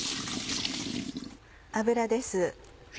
油です。